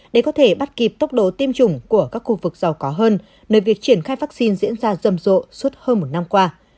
để có thể bắt kịp tốc độ tiêm chủng của các khu vực giàu có hơn nơi việc triển khai vaccine diễn ra rầm rộ suốt hơn một năm qua